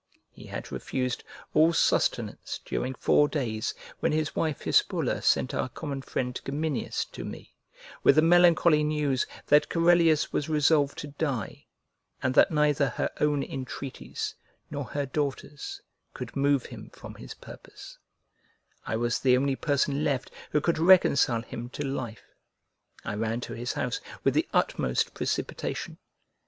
He had refused all sustenance during four days when his wife Hispulla sent our common friend Geminius to me, with the melancholy news, that Corellius was resolved to die; and that neither her own entreaties nor her daughter's could move him from his purpose; I was the only person left who could reconcile him to life. I ran to his house with the utmost precipitation.